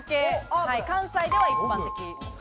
関西では一般的。